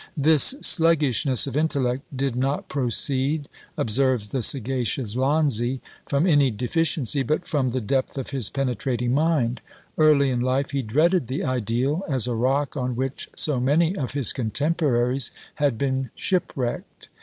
"This sluggishness of intellect did not proceed," observes the sagacious Lanzi, "from any deficiency, but from the depth of his penetrating mind: early in life he dreaded the ideal as a rock on which so many of his contemporaries had been shipwrecked."